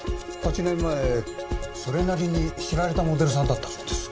８年前それなりに知られたモデルさんだったそうです。